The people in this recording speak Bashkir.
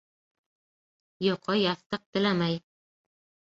Йоҡо яҫтыҡ теләмәй.